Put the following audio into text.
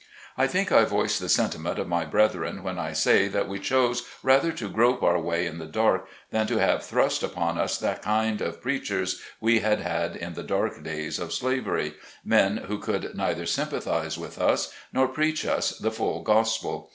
I think I voice the sentiment of my brethren when I say, that we chose rather to grope our way in the dark, than to have thrust upon us the kind of preachers we had had in the dark days of slavery, men who could neither sympathize with us, nor preach us the full Gospel.